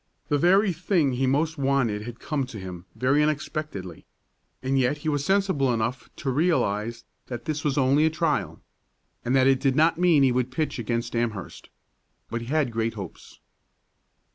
The very thing he most wanted had come to him very unexpectedly. And yet he was sensible enough to realize that this was only a trial, and that it did not mean he would pitch against Amherst. But he had great hopes.